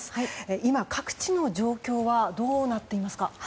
今、各地の状況はどうなっていますか？